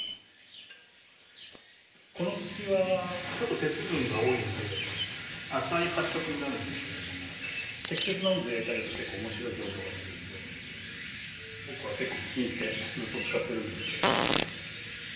この土はちょっと鉄分が多いんで赤い発色になるんですけれども適切な温度で焼いてあげると結構面白い表情が出るんで僕は結構気に入ってずっと使ってるんですけど。